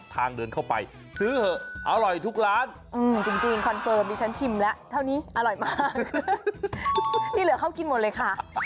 เป็นกล้วยเชื่อมที่อร่อยมาก